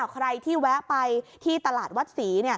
ใครที่แวะไปที่ตลาดวัดศรี